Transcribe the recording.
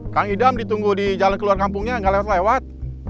kang idam ditunggu di jalan keluar kampungnya nggak lewat